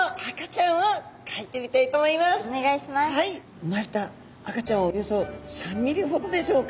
生まれた赤ちゃんはおよそ３ミリほどでしょうか。